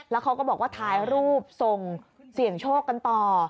แล้วเขาก็บอกว่าถ่ายรูปส่งเสี่ยงโชคกันต่อ